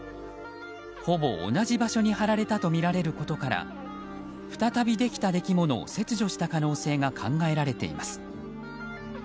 ほぼ同じ場所に貼られたとみられることから再びできたできものを切除した可能性が考えられています。